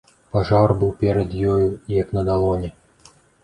Пажар быў перад ёю як на далоні.